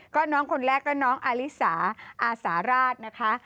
ก็น้องคนแรกก็น้องอาลิสาอาสาราชนะคะ